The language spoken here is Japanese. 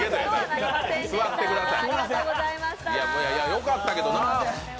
よかったけどなあ。